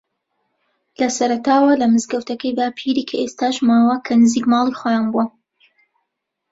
لە سەرەتاوە لە مزگەوتەکەی باپیری کە ئێستاش ماوە کە نزیک ماڵی خۆیان بووە